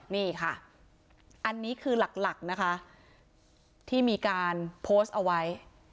นี่ค่ะอันนี้คือหลักนะคะที่มีการโพสต์เอาไว้